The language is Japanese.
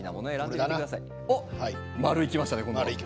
今度は丸いきましたね。